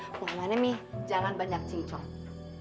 eh mau ke mana mi jangan banyak cincong